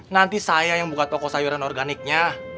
nanti saya yang buka toko sayuran organiknya